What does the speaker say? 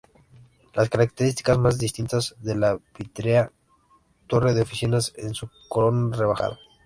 La característica más distintiva de la vítrea torre de oficinas es su corona rebajada.